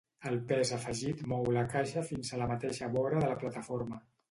El pes afegit mou la caixa fins a la mateixa vora de la plataforma.